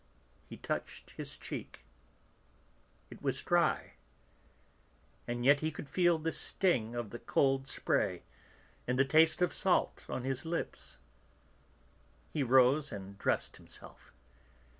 He touched his cheek. It was dry. And yet he could feel the sting of the cold spray, and the taste of salt on his lips. He rose, and dressed himself.